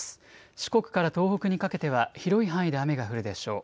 四国から東北にかけては広い範囲で雨が降るでしょう。